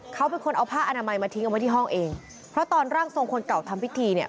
เขาเป็นคนเอาผ้าอนามัยมาทิ้งเอาไว้ที่ห้องเองเพราะตอนร่างทรงคนเก่าทำพิธีเนี่ย